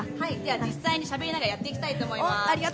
では実際にしゃべりながらやっていきたいと思います。